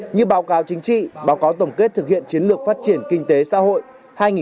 như báo cáo chính trị báo cáo tổng kết thực hiện chiến lược phát triển kinh tế xã hội hai nghìn một mươi một hai nghìn hai mươi